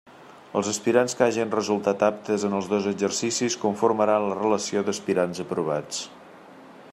Els aspirants que hagen resultat aptes en els dos exercicis conformaran la relació d'aspirants aprovats.